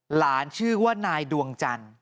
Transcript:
ชื่อว่านายดวงจันทร์